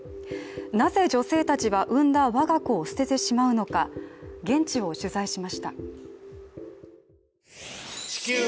なぜ女性たちは産んだ我が子を捨ててしまうのか、現地を取材しました。